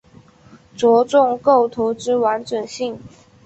着重构图之完整性